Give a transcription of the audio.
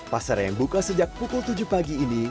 pasar yang buka sejak pukul tujuh pagi ini